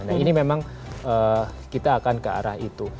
nah ini memang kita akan ke arah itu